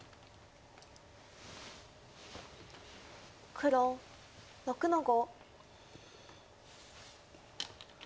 黒６の五。